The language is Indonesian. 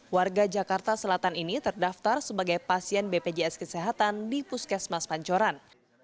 warga jakarta selatan ini terdaftar sebagai pasien bpjs kesehatan di puskesmas pancoran